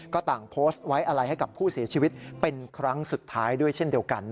ก็ต่างโพสต์ไว้อะไรให้กับผู้เสียชีวิตเป็นครั้งสุดท้ายด้วยเช่นเดียวกัน